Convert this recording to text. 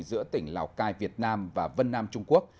giữa tỉnh lào cai việt nam và vân nam trung quốc